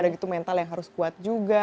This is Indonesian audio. ada gitu mental yang harus kuat juga